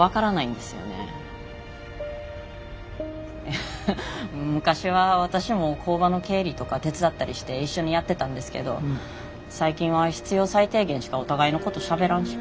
いや昔は私も工場の経理とか手伝ったりして一緒にやってたんですけど最近は必要最低限しかお互いのことしゃべらんし。